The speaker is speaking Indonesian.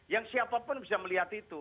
yang siapa pun bisa melihat itu